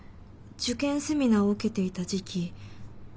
受験セミナーを受けていた時期。